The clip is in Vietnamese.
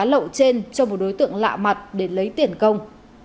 lậu trên cho một đối tượng lạ mặt để lấy tiền công